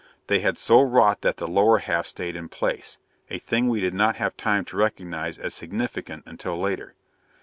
They had so wrought that the lower half stayed in place a thing we did not have time to recognize as significant until later.